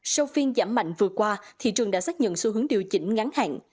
sau phiên giảm mạnh vừa qua thị trường đã xác nhận xu hướng điều chỉnh ngắn hạn